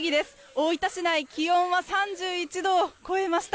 大分市内、昨日は３１度を超えました。